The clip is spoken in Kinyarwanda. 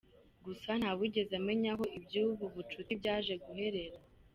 Gusa ntawigeze amenya aho iby’ubu bucuti byaje guherera.